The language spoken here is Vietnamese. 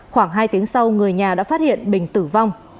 khoảng hai tiếng sau người nhà đã phát hiện bình tử vong